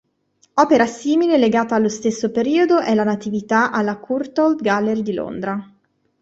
Opera simile, legata allo stesso periodo, è la "Natività" alla Courtauld Gallery di Londra.